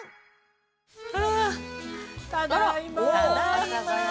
ただいま。